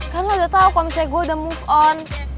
kan lo udah tau kalau misalnya gue udah move on